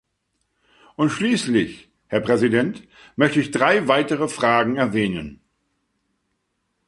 Und schließlich, Herr Präsident, möchte ich drei weitere Fragen erwähnen.